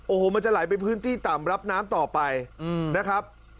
โอ้โหมันจะไหลไปพื้นที่ต่ำรับน้ำต่อไปนะครับ